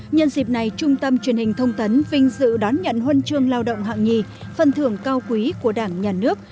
nhân dịp này trung tâm truyền hình thông tấn vinh dự đón nhận huân chương lao động hạng nhì phần thưởng cao quý của đảng nhà nước